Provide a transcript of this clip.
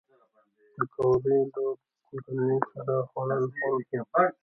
پکورې له کورنۍ سره خوړل خوند لري